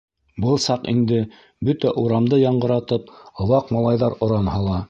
Был саҡ инде бөтә урамды яңғыратып ваҡ малайҙар оран һала: